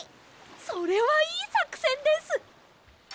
それはいいさくせんです！